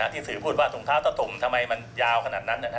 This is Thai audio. ที่สื่อพูดว่าถุงเท้าตะตุ่มทำไมมันยาวขนาดนั้น